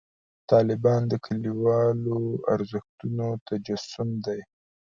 طالبان د کلیوالو ارزښتونو تجسم دی.